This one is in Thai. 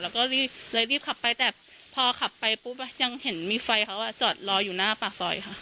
แล้วก็รีบเลยรีบขับไปแต่พอขับไปปุ๊บยังเห็นมีไฟเขาจอดรออยู่หน้าปากซอยค่ะ